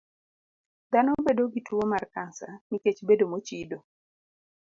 Dhano bedo gi tuo mar kansa nikech bedo mochido.